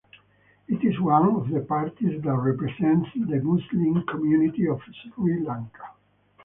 It is one of the parties that represents the Muslim community of Sri Lanka.